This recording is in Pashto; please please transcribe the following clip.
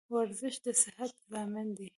ورزش د صحت ضامن دی